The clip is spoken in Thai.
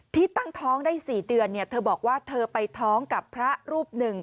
ที่ตั้งท้องได้๔เดือนเธอบอกว่าเธอไปท้องกับพระรูปหนึ่ง